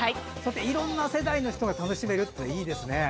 いろんな世代の人が楽しめるのはいいですね。